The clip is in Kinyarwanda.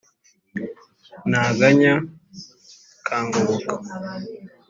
naganya ukangoboka